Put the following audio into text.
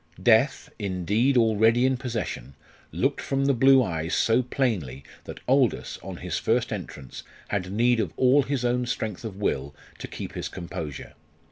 Death, indeed, already in possession, looked from the blue eyes so plainly that Aldous, on his first entrance, had need of all his own strength of will to keep his composure.